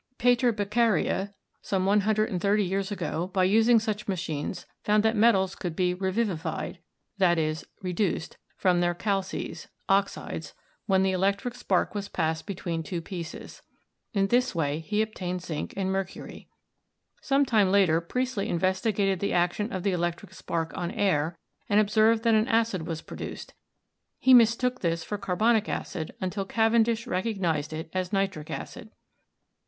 Pater Beccaria, some one hundred and thirty years ago, by using such machines found that metals could be "revivified" (i.e., reduced) from their calces (oxides) when the electric spark was passed between two pieces. In this way he obtained zinc and mercury. Some time later Priestly investigated the action of the electric spark on air and observed that an acid was produced; he mistook this for carbonic acid, until Cavendish recognised it as nitric acid.